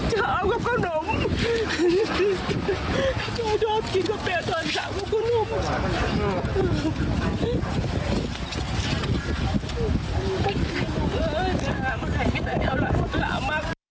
กินกาแฟตอนเช้ากับขนม